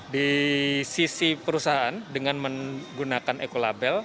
di sisi perusahaan dengan menggunakan ekolabel